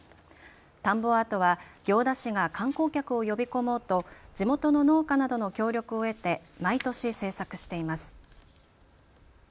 田んぼアートは行田市が観光客を呼び込もうと地元の農家などの協力を得て毎年制作しています。